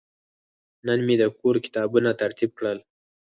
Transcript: نن مې د کور کتابونه ترتیب کړل.